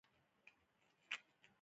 دواړه له پخ پخ خندا سره روان شول.